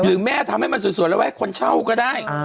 หรือแม่ทำให้มันสวยแล้วไว้คนเช่าก็ได้